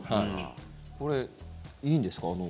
これ、いいんですか？